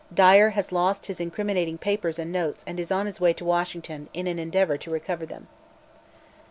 Dyer has lost his incriminating papers and notes and is on his way to Washington in an endeavor to recover them.